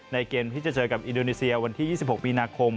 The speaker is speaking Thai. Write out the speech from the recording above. เกมที่จะเจอกับอินโดนีเซียวันที่๒๖มีนาคม